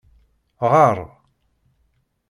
Ɣeṛ!